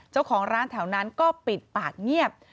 เจ้าของร้านแถวนั้นก็ปิดปากเงียบ